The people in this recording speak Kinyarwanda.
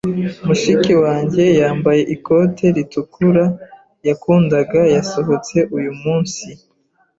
Mushiki wanjye, yambaye ikote ritukura yakundaga, yasohotse uyu munsi.